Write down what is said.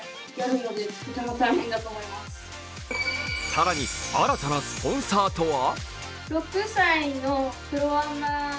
更に新たなスポンサーとは？